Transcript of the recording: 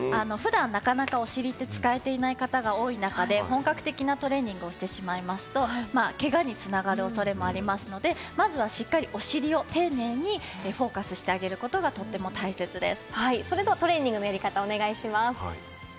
普段、なかなかお尻って使えていない方が多い中で、本格的なトレーニングをしてしまいますと、けがに繋がる恐れもありますので、まずは、しっかりお尻を丁寧にフォーカスしてあげることがとても大切です。